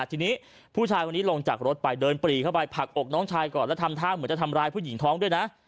ทีนี้ผู้ชายคนนี้ลงจากรถไปเดินปรีเข้าไปผลักอกน้องชายก่อนแล้วทำท่าเหมือนจะทำร้ายผู้หญิงท้องด้วยนะ